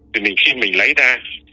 thì mình khi mình lấy ra